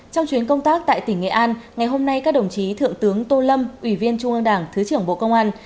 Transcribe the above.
trong chuyến công tác tại tỉnh nghệ an ngày hôm nay các đồng chí thượng tướng tô lâm ủy viên trung ương đảng thứ trưởng bộ công an